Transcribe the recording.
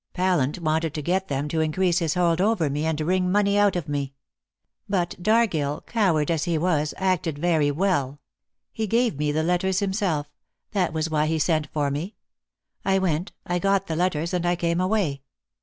Pallant wanted to get them to increase his hold over me and wring money out of me. But Dargill, coward as he was, acted very well. He gave me the letters himself; that was why he sent for me. I went, I got the letters, and I came away.